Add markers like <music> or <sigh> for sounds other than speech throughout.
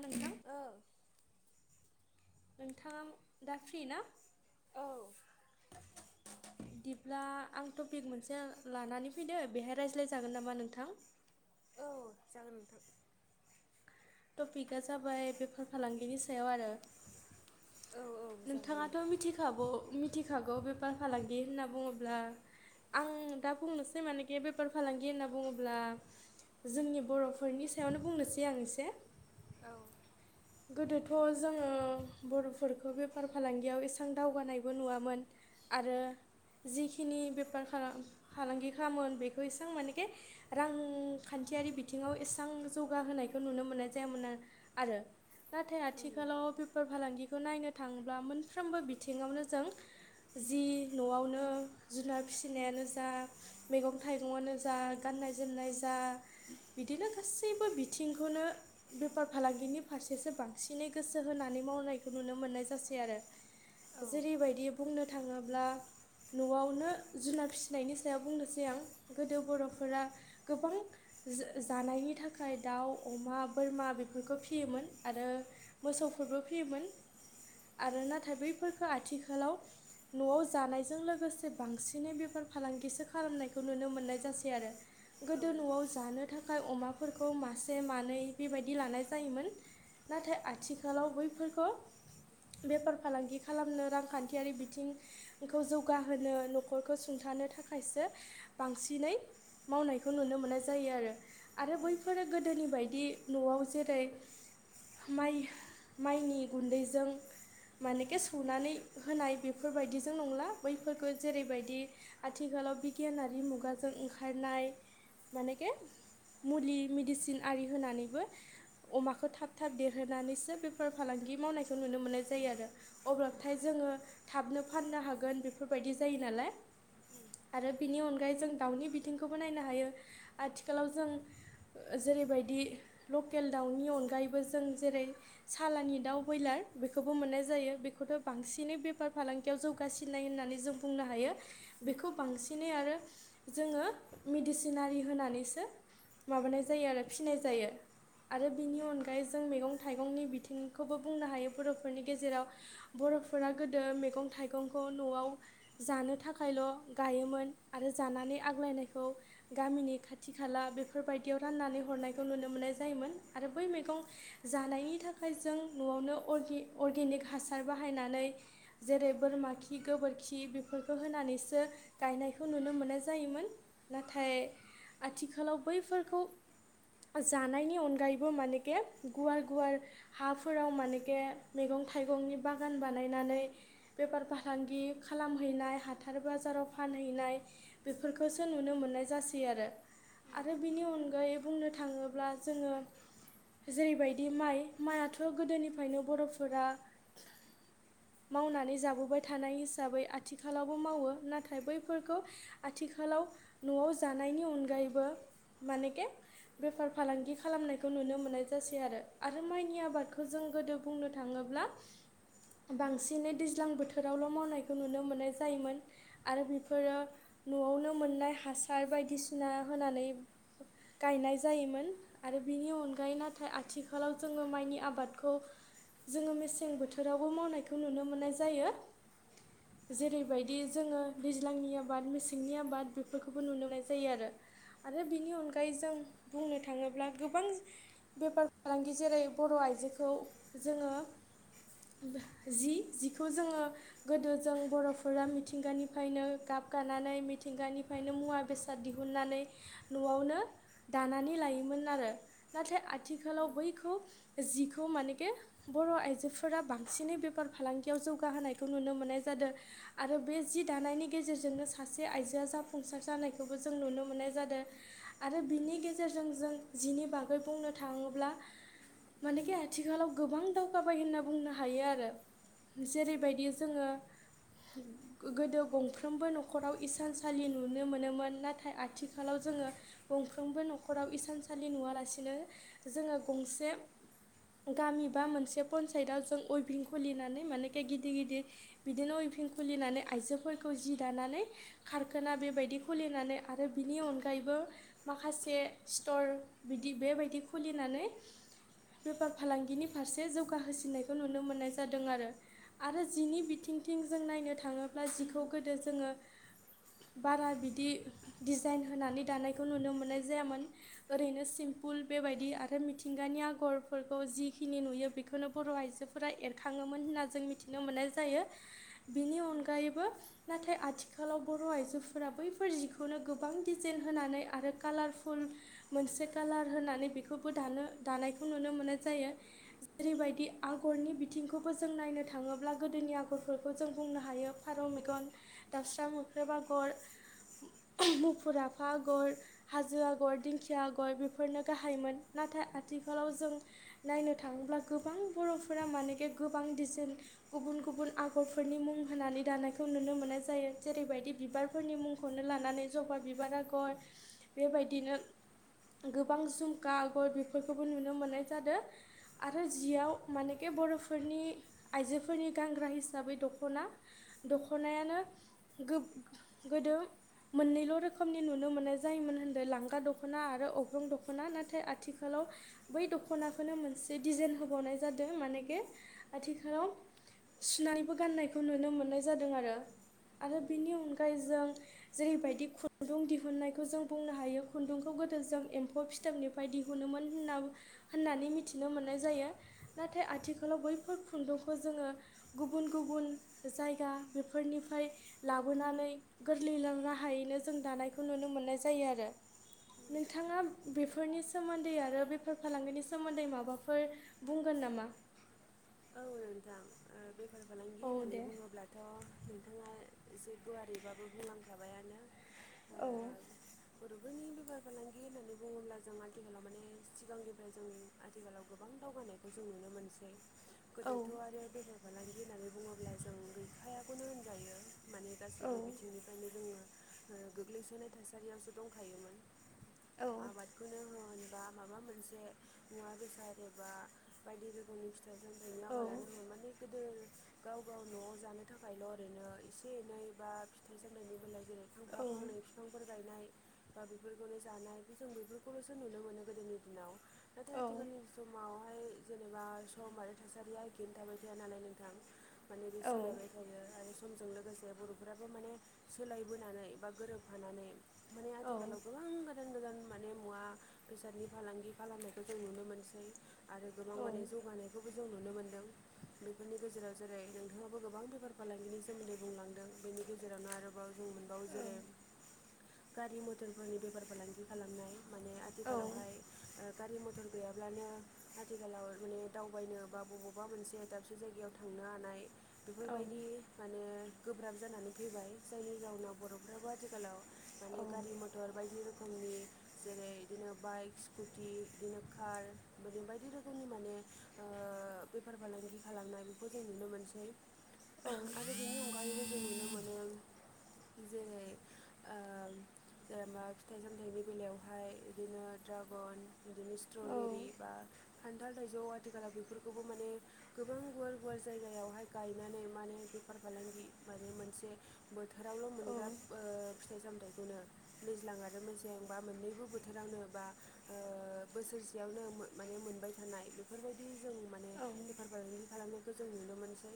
नोंथां ओ- नोंथाङा दा- फ्रि ना? दिब्ला आं टपिक मोनसे लानानै फैनो। बेहाय रायज्लायजागोन नामा नोंथां? औ- जागोन नोंथां। टपिका जाबाय। बेफार फालांगिनि सायाव आरो औ औ जागोन दे नोंथाङाथ' मिथिखागौ मिथि- खागौ बेफार फालांगि होनना बुङोब्ला। आं दा बुंनोसै मानेखि बेफार फालांगि होनना बुङोब्ला। जोंनि बर'फोरनि सायावनो बुंनोसै आं एसे औ- गोदोथ' जोङो बर'फोरखौ बेफार फालांगियाव एसबां दावगानायबो नुवामोन आरो जिखिनि बेफार- फालांगि खामोमोन बेखौ इसां मानेके रांखा न्थियारि बिथिङाव एसबां जौगाहोनायखौ नुनो मोननाय जायामोन आरो नाथाय उम आथिखालाव बेफार फालांगिखौ नायनो थाङोब्ला मोनफ्रोमबो बिथिङावनो जों जि न'वावनो जुनार फिसिनायानो जा मैगं थाइगंयानो जा गान नाय जोमनाय जा बिदिनो गासैबो बिथिंखौनो बेफार फालांगिनि फारसेसो बांसिनै गोसो होनानै मावनायखौ नुनो मोननाय जासै आरो औ ओं जेरैबायदि बुंनो थाङोब्ला न'वावनो जुनार फिसिनायनि सायाव बुंनोसै आं गोदो बर'फोरा गोबां जा- जानायनि थाखाय दाउ, अमा, बोरमा बेफोरखौ फियोमोन आरो मोसौफोरबो फियोमोन आरो नाथाय बैफोरफोरखौ आथिखालाव न'वाव जानायजों लोगोसे बांसिनै बेफार फालांगिसो खालामनायखौ नुनो मोननाय जासै आरो गोदो उम न'वाव जानो थाखाय अमाफोरखौ मासे मानै बेबायदि लानाय जायोमोन नाथाय आथिखालाव बैफोरखौ बेफार फालांगि खालामनो रांखान्थियारि बिथिंखौ जौगाहोनो नखरखौ सुंथा नो थाखायसो बांसिनै मावनायखौ नुनो मोननाय जायो आरो आरो उम बैफोरो गोदोनि बायदि न'वाव जेरै माइ माइनि गुन्दैजों मानेखो सौनानै होनाय बेफोरबायदिजों नंला बैफोरखौ जेरैबायदि आथिखा लाव बिगियानारि मुगाजों ओंखारनाय मानेके मुलि मेडिसिन आरि होनानैबो अमाखौ थाब थाब देरहोनानैसो बेफोर फालांगि मावनायखौ नुनो मोननाय जायो आरो अब्लाथाय जों ओ थाबनो फाननो हागोन बेफोरबायदि जायो नालाय आरो बिनि अनगायै जों दाउनि बिथिंखौबो नायनो हायो आथिखालाव जों जेरैबायदि लकेल दाउनि अनगायैबो जों जेरै सालानि दाउ बयलार बेखौबो मोननाय जायो बेखौथ' बांसि सिनै बेफार फालांगियाव जौगासिननाय होननानै जों बुंनो हायो बेखौ बांसिनै आरो जोङो मेडिसिनारि होनानैसो माबानाय जायो आरो फिसिनाय जायो आरो बिनि अनगायै जों मैगं थाइगंनि बिथिंखौबो बुंनो हायो बरफोरनि गेजेराव बर' फोरा गोदो मैगं थाइगंखौ न'वाव जानो थाखायल' गायोमोन आरो जाना नै आग्लायनायखौ गामिनि खाथि खाला बेफोरबायदियाव राननानै हरनायखौ नुनो मोननाय जायोमोन। आरो बै मैगं जानायनि थाखाय जों न'वावनो अर्गि अर्गेनिक हासार बाहायनानै जेरै बोरमा खि गोबोरखि बेफोरखौ होनानैसो गायनायखौ नुनो मोननाय जायो मोन नाथाय आथिखालाव बैफोरखौ जानायनि अनगायै बो मानेके गुवार गुवार हाफोराव मानेेखे मैगं थाइगंनि बागान बानाय नानै बेफार फालांगि खालामहैनाय हाथार बाजाराव फाहैनाय बि खौसो नुनो मोननाय जासै आरो उम आरो बिनि अनगायै बुंनो थाङोब्ला जोङो जेरैबायदि माइ माइआथ गोदोनिफायनो बर'फोरा मावनानै जाबोबाय थानाय हिसाबै आथिखालावबो मावो नाथाय बैफोरखौ आथि खालाव न'वाव जानायनि अनगायैबो मानेके बेफार फालांगि खालामनाय खौ नुनो मोननाय जासै आरो माइनि आबादखौ जों गोदो बुंनो थाङोब्ला बांसिनै दैज्लां बोथोरावल' मावनायखौ नुनो मोननाय जायोमोन आरो बेफोरो नवावनो मोननाय हासार बायदिसिना होनानै गायनाय जायोमोन आरो बिनि अनगायै नाथाय आथिखालाव जोङो माइनि आबादखौ जोङो मेसें बोथोरावबो मावनायखौ नुनो मोननाय जायो। जेरैबायदि जोङो दैज्लांनि आबाद मेसेंनि आबाद बेफोरखौबो नुनो मोननाय जायो आरो आरो बिनि अनगायै जों बुंनो थाङोब्ला गोबां बेफार फालांगि जेरै बर' आइजोखौ जोङो जि-जिखौ जोङो गोदो जों बर'फोरा मिथिंगानिफायनो गाब गानानै मिथिंगानिफायनो मुवा बेसाद दिहुननानै न'आवनो दानानै लायो मोन आरो। नाथाय उम आथिखालाव बैखौ जिखौ मानेखे बर' आइजोफोरा बांसिनै बेफार फालांगियाव जौगाहोनायखौ नुनो मोननाय जादों आरो बे जि दानायनि गेजेरजोंनो सासे आ आइजोआ जाफुंसार जानायखौबो जों नुनो मोननाय जादो। आरो बिनि गेजेरजों जों जिनि बागै बुंनो थाङोब्ला मानेखे आथिखालाव गोबां दावगाबाय होनना बुंनो हायो आरो। जेरैबायदि जोङो गो-गोदो गंफ्रोमबो नखराव इसानसालि नुनो मोनोमोन। नाथाय आथिखालाव जोङो गंफ्रामबो नखराव इसानसालि नुवालासिनो जोङो गंसे गामि बा मोनसे पन्सायतआव जों उइभिं खुलिनानै मानेखे गिदिर गिदिर बिदिनो उइभिं खुलिनानै आइजोफोरखौ जि दानानै खारखाना बेबायदि खुलिनानै आरो बिनि अनगायै बो माखासे स्टर बिदि बेबायदि खुलिनानै बेफार फालांगिनि फारसे जौगाहोसिननायखौ नुनो मोननाय जादों आरो। आरो जिनि बिथिंथिं जों नायनो थाङोब्ला जिखौ गोदो जोङो बारा बिदि डिजाइन होनानै दानायखौ नुनो मोननाय जायामोन। ओरैनो सिम्पुल बेबायदि आरो मिथिंगानि आगरफोरखौ जिखिनि नुयो बेखौनो बर' आइजो फोरा एरखाङोमोन होनना जों मिथिनो मोननाय जायो। बिनि उम अनगायैबो, नाथाय आथि खालाव बर' आइजोफोरा बैफोर जिखौनो गोबां दिडिजेन होनानै आरो कालारफुल मोनसे कालार होनानै बेखौबो दानो दानायखौ नुनो मोननाय जायो। जेरैबायदि आगर फोरनि बिथिंखौबो जों नायनो थाङोब्ला गोदोनि आगरफोरखौ जों बुंनो हायो फारौ मेगन, दाउस सा मोख्रेब आगर, मुफुर आफा आगर, हाजो आगर, दिंखि या आगर बेफोरनो गाहायमोन। नाथाय आथिखालाव जों नायनो थाङोब्ला गोबां बर' फोर फोरा मानेखे गोबां डिजेन गुबुन गुबुन आगरफोरनि मुं होनानै दानायखौ नुनो मोननाय जायो। जेरैबायदि बिबारफोरनि मुंखौनो लानानै जबा बिबार आगर बेबायदिनो गोबां झुमखा आगर बेफोरखौबो नुनो मोननाय जादो। आरो जियाव मानखि बर' फोरनि आइजोफोरनि गानग्रा हिसाबै दख'ना दख'नायानो गोदो मोननैल' रोखोमनि नुनो मोननाय जायोमोन होनदो लांगा दख ख'ना आरो अग्रं दख'ना। नाथाय आथिखालाव बै दख'नाखौनो मोनसे डिजेन होबावनाय जादो। मानेखे आथिखालाव सुनानैबो गाननायखौ नुनो मोननाय जादों आरो। आरो बेनि अनगायै जों जेरैबायदि खुन्दुं दिहुननायखौ जों बुंनो हायो खुन्दुं खौ गोदो जों एम्फौ फिथोबनिफ्राय दिहुनोमोनना होननानै मिथिनो मोननाय जायो। ना थाय आथिखालाव बैफोर खुन्दुंखौ जोङो गुबुन गुबुन जायगा बेफोरनिफ्राय लाबोनानै गोरलैलों राहायैनो जों दानायखौ नुनो मोननाय जायो आरो। उम नोंथाङा बेफोरनि सोमोन्दै आरो बेफार फालांगिनि सोमोन्दै माबाफोर बुंगोन नामा? औ नोंथां ओ बेफार फालांगि औ होननानै दे बुङोब्लाथ' नोंथाङा एसे गुवारैबाबो बुंलांखाबायानो। ओ औ बर'फोरनि बेफार फालांगि होननानै बुङोब्ला जों आथिखालाव माने सिगांनिफ्राय जों आथिखालाव गोबां दावगानायखौ जों नुनो नुनो मोनसै। औ गोदोथ' आरो बेफार फालांगि होननानै बुङोब्ला जों गैखायाखौनो होनजायो। माने गासैबो बिथिंनिफ्रायनो जोङो ओ गोग्लैसोनाय थासारियावसो दंखायोमोन। आबादखौनो होन बा माबा मोनसे मुवा बेसाद एबा बायदि रोखोमनि फिथाइ सामथाइनि औ। आबादानो होन माने गोदोर गाव गाव न'आव जानो थाखायल' ओरैनो एसे एनै बा फिथाइ सामथायनि बेलायाव जेरै फांफा फांनै बिफांफोर गायनाय बा बेफोरखौनो जानाय जों बेफोरखौल'सो नुनो मोनो गोदोनि दिनाव। नाथाय आथिखालनि समावहाय जेनेबा सम आरो थासारिया गिनो थाबाय थाया नालाय नोंथां माने बे सोलायबाय थायो आरो समजों लोगोसे बर'फोराबो माने सोलायबोनानै बा गोरोबफानानै माने आथिखालाव गोबां गोजान गोदान माने मुवा बेसादनि फालांगि खालामनायखौ जों नुनो मोनसै। आरो गोबां माने जौगानायखौबो जों नुनो मोनदों। बेफोरनि गेजेराव जेरै नोंथाङाबो गोबां बेफार फालांगिनि सोमोन्दै बुंलांदों बेनि गेजेरावनो आरोबाव जों आं मोनबावो जेरै गारि मथरफोरनि बेफार फालांगि खालामनाय। माने आथिखालावहाय ओ गारि मथर गैयाब्लानो आथिखालाव माने दावबायनो बा बबावबा मोनसे दाबसे जायगायाव थांनो हानाय बेफोरबायदि माने गोब्राब जानानै फैबाय जायनि जाउनाव बर'फ्राबो आथिखालाव। माने गारि मथर बायदि रोखोमनि जेरै बिदिनो बाइक स्कुटि बिदिनो कार बिदिनो बायदि रोखोमनि माने ओ बेफार फालांगि खालामनाय बेखौ जों नुनो मोनसै। आरो बेनि अनगायैबो जों नुनो मोनो। <unintelligible> जेरै ओ जेनेबा फिथाइ सामथाइनि बेलायावहाय बिदिनो द्राग न बिदिनो स्ट्रबेरि बा खान्थाल थाइजौ। आथिखालाव बेफोरखौबो माने गोबां गुवार गुवार जायगायावहाय गायनानै माने बेफार फालांगि माने मोनसे बोथोरावल' मोनग्रा ओ फिथाइ सामथाइखौनो दैज्लां आरो मोसे बा मोननैबो बोथोरावनो बा ओ बोसोर सेयावनो माने मोनबाय थानाय बे बेफोरबायदि जों माने बेफार फालांगि खालामनायखौ जों नुनो मोनसै।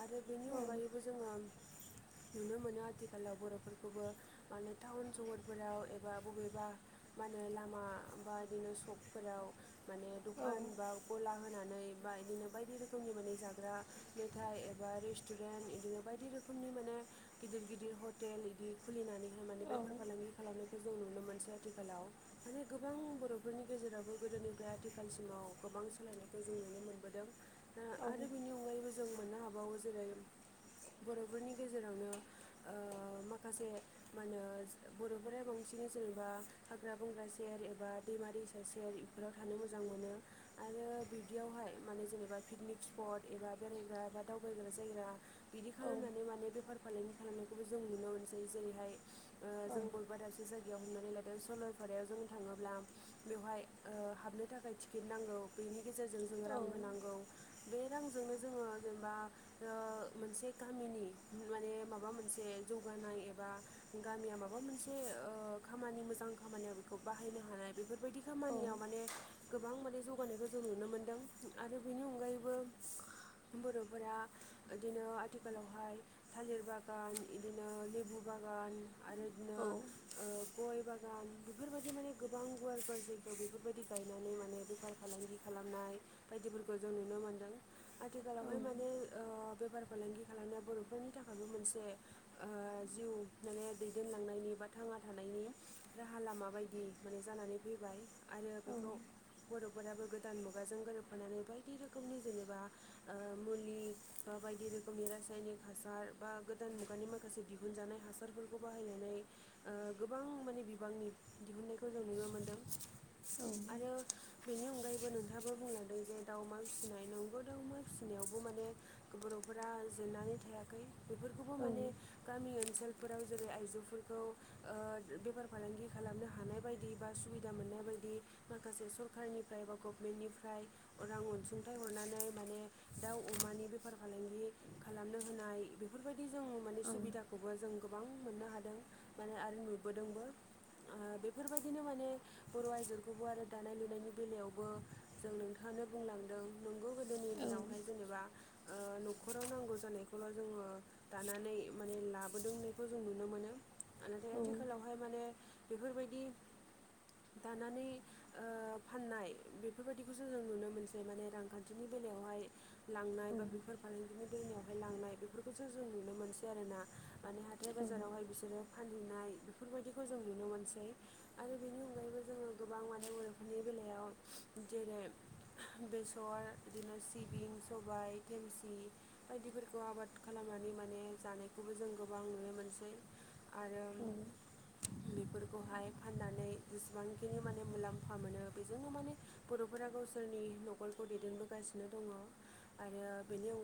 आरो बेनि अनगायैबो जोङो <unintelligible> नुनो मोनो आथिखालाव बर'फोरखौबो माने टाउन सहरफोराव एबा बबेबा मा मा होनो लामा बा बिदिनो सखफोराव माने दखान बा ग ला होनानै बा बिदिनो बायदि रोखोमनि माने जाग्रा मेथाइ एबा रेस्तुरेन्ट इदिनो बायदि‌। बायदि रोखोमनि माने गिदिर गिदिर हटेल बिदि खुलिनानैहाय माने बेफार फालांगि खालामनाय खौ जों नुनो मोनसै आथिखालाव माने गोबां बर'फोरनि गेजेरावबो गोदोनिफ्राय आथिखालसिमाव गोबां सोलायनायखौ जों नुनो मोनबोदों ओ आरो बेनि अनगायैबो जों मोननो हाबावो जेरै बर'फोरनि गेजेरावनो ओ माखासे मा होनो बर'फोरा बांसिन जेनेबा हाग्रा बंग्रा सेर एबा दैमारि दैसा सेर इफोराव थानो मोजां मोनो। आरो बिदियावहाय माने जेनेबा पिकनिक स्पट एबा बेरायग्रा बा दावबायग्रा जायगा बिदि खालामनानै माने बेफार फालांगि खालामनायखौबो जों नुनो मोनसै जेरैहाय ओ जों बबेबा दाबसे जाय गायाव हमनानै लादों सलरपारायाव जों थाङोब्ला बेवहाय ओ हाबनो थाखाय टिकेट नांगौ। बेनि गेजेरजों जों रां होनांगौ। बे रांजोंनो जोङो जेनेबा ओ मोनसे गामिनि माने माबा मोनसे जौगानाय एबा गामिया माबा मोनसे ओ खामानि मोजां खामानियाव बेखौ बाहायनो हानाय। बेफोरबायदि खामानियाव माने गोबां माने जौ गानायखौ जों नुनो मोन्दों आरो बेनि अनगायैबो बर'फोरा इदिनो आथिखालावहाय थालिर बागान इदिनो लेबु बागान आरो बिदिनो ओ गय बागान गान बेफोरबायदि माने गोबां गुवार गुवार जायगायाव बेफोरबायाददि गायनानै माने बेफार फालांगि खालामनाय बायदिफोरखौ जों नुनो मोनदों आथिखालावहाय माने ओ बेफार फालांगि खालामनायाव बर'फोरनि थाखायबो मोनसे ओ जिउ माने दैदेनलांनायनि बा थांना थानायनि राहा लामा बायदि माने जानानै फैबाय आरो बेखौ बर' फोराबो गोदान मुगाजों गोरोबफानानै बायदि रोखोमनि जेनेबा ओ मुलि बा बायदि रोखोमनि रासायनिक हासार बा गोदान मुगानि माखासे दिहुनजानाय हासारफोरखौ बाहायनानै ओ गोबां माने बिबांनि दिहुननायखौ जों नुनो मोनदों <inaudible> नोंथांआबो बुंलादों जे दाउमा फिसिनाय नोंगौ दाउमा फिसिनायावबो माने बर'फोरा जेन नानै थायाखै बेफोरखौबो माने गामि ओनसोल फोराव जेरै आइजोफोरखौ ओ बेफार फालांगि खालामनो हानाय बायदि बा सुबिदा मोननाय बायदि माखासे सर खारनिफ्राय बा गभमेन्टनिफ्राय रां अनसुंथाइ हरनानै माने दाउ अमानि बेफार फालां गि खालामनो होनाय बेफोरबायदि जों माने सुबिदाखौबो जों गोबां मोननो हादों माने आरो नुबोदोंबो ओ बेफोरबायदिनो माने बर' आइजोखौबो आरो दानाय-लुनायनि बेलायावबो जों नोंथाङानो बुंलांदों नोंगौ गोदोनि दिनावहाय जेनेबा ओ <inaudible> न'खराव नांगौ जानायखौल' जोङो दानानै माने लाबोदोंनायखौ जों नुनो मोनो नाथाय आथिखालावहाय माने बेफोरबायदि दानानै ओ फाननाय बेफोरबायदिखौसो जों नुनो मोनसै माने रांखान्थिनि बेलायावहाय लांनाय बा बेफोर फालांगिनि दैमायावहाय लांनाय बेफोरखौसो जों नुनो मोनसै आरो ना माने हाथाय-बाजारावहाय बिसोरो फान नाय बेफोरबायदिखौ जों नुनो मोनसै आरो बेनि अनगायैबो जोङो गोबां माने नि बेलायाव दिनै बेसर बिदिनो सिबिं, सबाय, थेमसि बायदिफोरखौ आबाद खालाम नानै माने जानायखौबो जों गोबां नुनो मोनसै आरो औ बेफोरखौहाय फाननानै जेसेबांखिनि माने मुलाम फा मोनो बेजोंनो माने बर'फोरा गावसोरनि नख'रखौ दैदेनबोगासिनो दङ आरो ओ बेनि अ